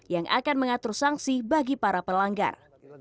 yang akan mengatur sanksi bagi para pelanggar